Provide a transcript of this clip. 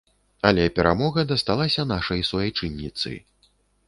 Але перамога дасталася нашай суайчынніцы.